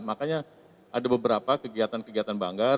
makanya ada beberapa kegiatan kegiatan banggar